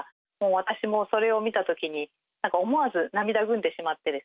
私もそれを見た時に思わず涙ぐんでしまってですね